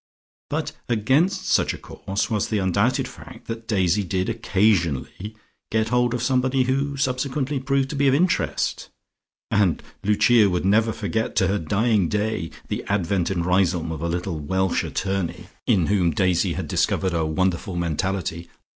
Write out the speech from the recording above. But against such a course was the undoubted fact that Daisy did occasionally get hold of somebody who subsequently proved to be of interest, and Lucia would never forget to her dying day the advent in Riseholme of a little Welsh attorney, in whom Daisy had discovered a wonderful mentality.